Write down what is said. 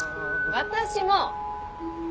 私も。